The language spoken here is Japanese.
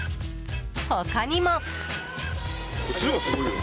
他にも。